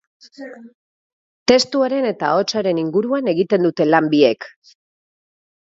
Testuaren eta ahotsaren inguruan egiten dute lan biek.